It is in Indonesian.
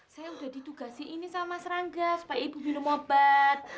saya sudah ditugasi ini sama serangga supaya ibu minum obat